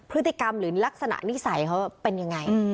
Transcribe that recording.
พฤติกรรมหรือลักษณะนิสัยเขาเป็นยังไง